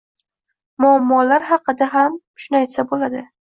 Muammolar haqida ham shuni aytsa bo‘ladi.